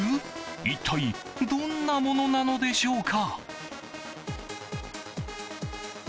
一体どんなものなのでしょうか？